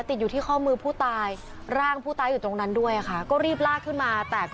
ติดอยู่ที่ข้อมือผู้ตายร่างผู้ตายอยู่ตรงนั้นด้วยค่ะ